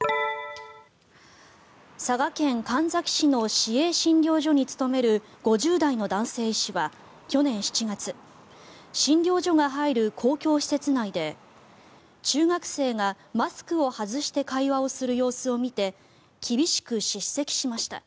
佐賀県神埼市の市営診療所に勤める５０代の男性医師は去年７月診療所が入る公共施設内で中学生がマスクを外して会話をする様子を見て厳しく叱責しました。